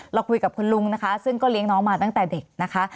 เราคุยกับคุณลุงนะคะซึ่งก็เลี้ยงน้องมาตั้งแต่เด็กนะคะ